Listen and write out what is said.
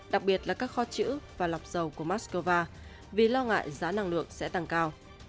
đặc biệt là các kho chữ và lọc dầu của moscow vì lo ngại giá năng lượng sẽ tăng cao